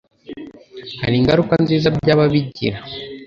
hari ingaruka nziza byaba bigira,